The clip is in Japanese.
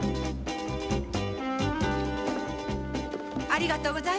ありがとう。